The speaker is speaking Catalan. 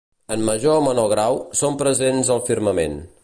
En major o menor grau, són presents al firmament.